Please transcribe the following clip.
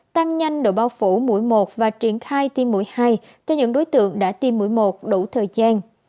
tăng nhanh độ bao phủ mũi một và triển khai tiêm mũi hai cho những đối tượng đã tiêm mũi một đủ thời gian